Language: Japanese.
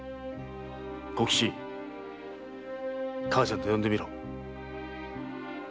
小吉“母ちゃん”と呼んでみろ。